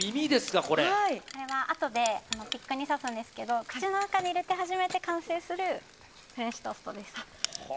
あとでピックに刺すんですけど口の中に入れて初めて完成するフレンチトーストです。